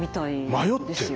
迷ってる？